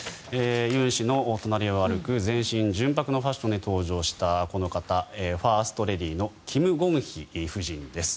尹氏の隣を歩く全身純白のファッションで登場したこの方ファーストレディーのキム・ゴンヒ夫人です。